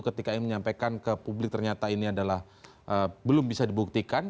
ketika ini menyampaikan ke publik ternyata ini adalah belum bisa dibuktikan